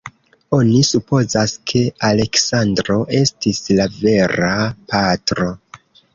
Oni supozas, ke Aleksandro estis la vera patro.